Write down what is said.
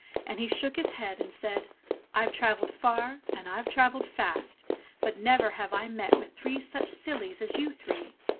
And he shook his head and said, "I've travelled far, and I've trav elled fast, but never have I met with three such sillies as you three.